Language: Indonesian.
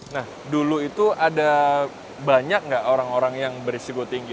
nah dulu itu ada banyak nggak orang orang yang berisiko tinggi